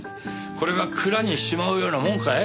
これが蔵にしまうようなもんかい？